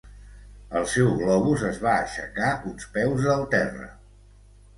El seu globus es va aixecar uns peus del terra.